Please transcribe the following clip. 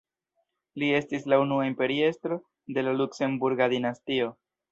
Li estis la unua imperiestro de la Luksemburga dinastio.